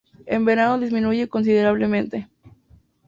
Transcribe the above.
En verano disminuye considerablemente.